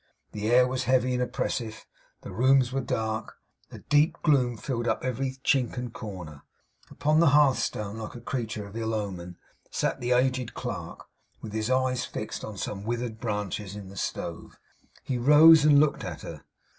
The air was heavy and oppressive; the rooms were dark; a deep gloom filled up every chink and corner. Upon the hearthstone, like a creature of ill omen, sat the aged clerk, with his eyes fixed on some withered branches in the stove. He rose and looked at her.